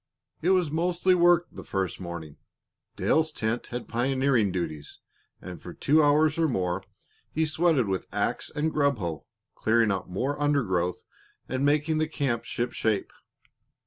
It was mostly work that first morning. Dale's tent had pioneering duties, and for two hours or more he sweated with ax and grub hoe, clearing out more undergrowth and making the camp shipshape.